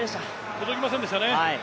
届きませんでしたね。